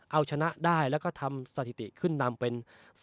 เอาชนะได้แล้วก็ทำสถิติขึ้นนำเป็น